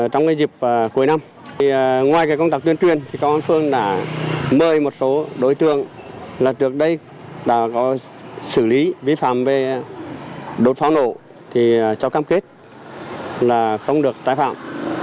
trong dịp cuối năm ngoài công tác tuyên truyền thì công an phường đã mời một số đối tượng là trước đây đã có xử lý vi phạm về đột pháo nổ cho cam kết là không được tái phạm